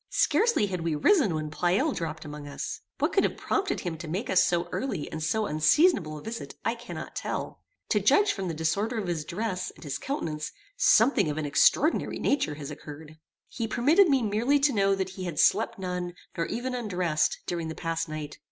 Scarcely had we risen when Pleyel dropped among us. What could have prompted him to make us so early and so unseasonable a visit I cannot tell. To judge from the disorder of his dress, and his countenance, something of an extraordinary nature has occurred. He permitted me merely to know that he had slept none, nor even undressed, during the past night.